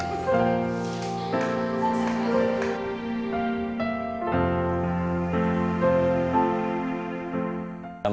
kami berharap berhasil untuk memperbaiki kisah kisah ini